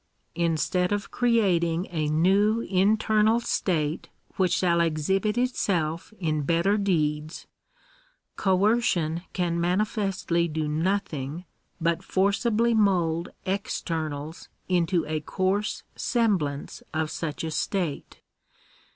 Instead of creating a i new internal state which shall exhibit itself in better deeds, coercion can manifestly do nothing but forcibly mould externals into a coarse semblance of such a state.